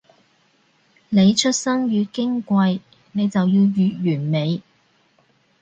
你出身越矜貴，你就要越完美